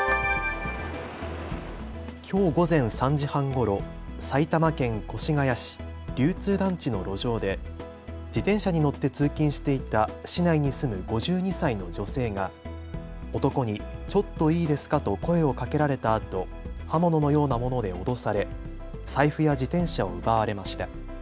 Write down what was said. きょう午前３時半ごろ、埼玉県越谷市流通団地の路上で自転車に乗って通勤していた市内に住む５２歳の女性が男にちょっといいですかと声をかけられたあと刃物のようなもので脅され財布や自転車を奪われました。